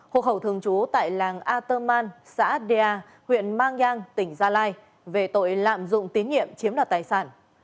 hộ khẩu thường trú tại làng a tơ man xã đe huyện mang giang tỉnh gia lai về tội lạm dụng tín nhiệm chiếm đoạt tài sản